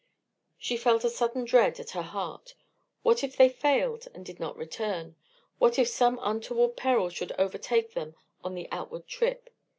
She felt a sudden dread at her heart. What if they failed and did not return? What if some untoward peril should overtake them on the outward trip?